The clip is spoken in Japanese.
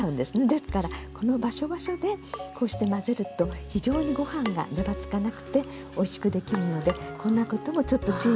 ですからこの場所場所でこうして混ぜると非常にご飯が粘つかなくておいしくできるのでこんなこともちょっと注意なさるとほら